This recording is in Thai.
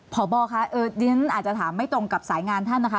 พอบอลคะอาจจะถามไม่ตรงกับสายงานท่านนะคะ